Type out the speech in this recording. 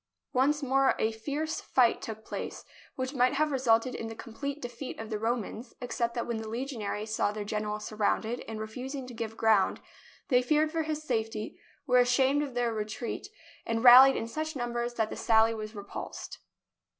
Once more a fierce fight took place THE BOOK OF FAMOUS SIEGES which might have resulted in the complete defeat of the Romans, except that when the legionaries saw their general surrounded and refusing to give ground, they feared for his safety, were ashamed of their retreat, and rallied in such numbers that the sally was repulsed.